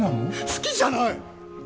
好きじゃない！